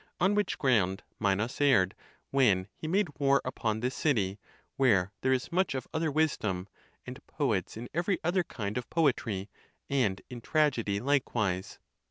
On which ground Minos erred, when he made war upon this city ; where there is much of other wis dom, and poets in every other kind of poetry, and in tragedy likewise.